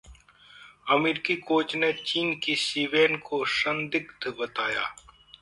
अमेरिकी कोच ने चीन की शिवेन को ‘संदिग्ध’ बताया